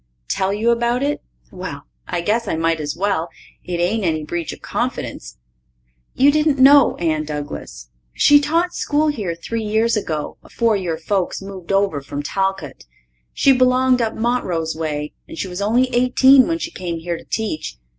Tell you about it? Well, I guess I might as well. It ain't any breach of confidence. You didn't know Anne Douglas? She taught school here three years ago, afore your folks moved over from Talcott. She belonged up Montrose way and she was only eighteen when she came here to teach.